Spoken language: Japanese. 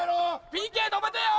・・ＰＫ止めてよ！